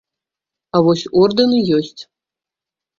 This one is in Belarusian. А вось ордэны ёсць.